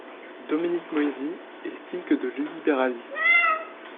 Dominique Moïsi estime que de l'illibéralisme.